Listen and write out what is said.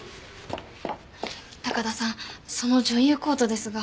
高田さんその女優コートですが。